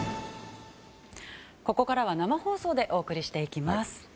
ここからは生放送でお送りしてまいります。